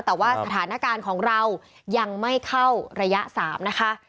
แต่ว่าสถานการณ์ของเรายังไม่เข้าระยะ๓นะคะ